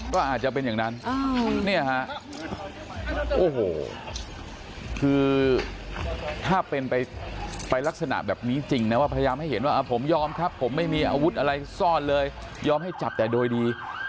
ก็อาจจะเป็นอย่างนั้นเนี่ยฮะโอ้โหคือถ้าเป็นไปลักษณะแบบนี้จริงนะว่าพยายามให้เห็นว่าผมยอมครับผมไม่มีอาวุธอะไรซ่อนเลยยอมให้จับแต่โดยดี